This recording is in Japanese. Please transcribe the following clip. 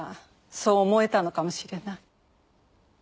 そう思えたのかもしれない。